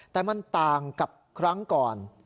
แต่มันต่างกับครั้งก่อน